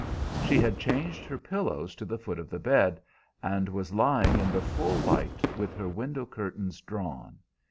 She had changed her pillows to the foot of the bed, and was lying in the full light, with her window curtains drawn.